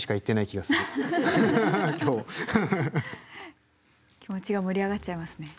気持ちが盛り上がっちゃいますね。